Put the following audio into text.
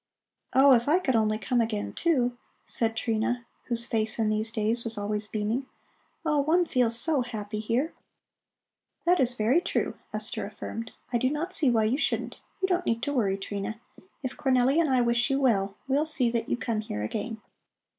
"Oh, if I could only come again, too!" said Trina, whose face in these days was always beaming. "Oh, one feels so happy here!" "That is very true," Esther affirmed. "I do not see why you shouldn't. You don't need to worry, Trina. If Cornelli and I wish you well, we'll see that you come here again."